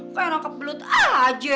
kayak nangkep belut aja